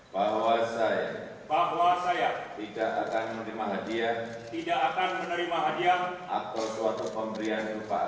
bahwa saya tidak akan menerima hadiah